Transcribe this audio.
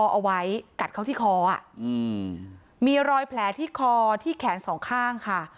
เอาไว้กัดเข้าที่คออ่ะอืมมีรอยแผลที่คอที่แขนสองข้างค่ะ